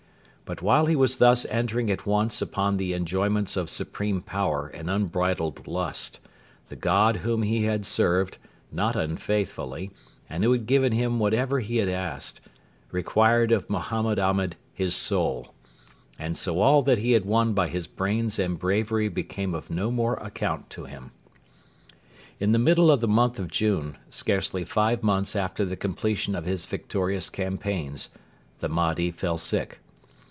But while he was thus entering at once upon the enjoyments of supreme power and unbridled lust, the God whom he had served, not unfaithfully, and who had given him whatever he had asked, required of Mohammed Ahmed his soul; and so all that he had won by his brains and bravery became of no more account to him. In the middle of the month of June, scarcely five months after the completion of his victorious campaigns, the Mahdi fell sick.